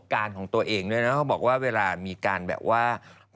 การของตัวเองด้วยนะเขาบอกว่าเวลามีการแบบว่า